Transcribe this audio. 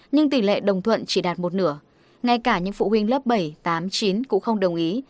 nhưng tỷ lệ đồng thuận chỉ đạt một nửa ngay cả những phụ huynh lớp bảy tám chín cũng không đồng ý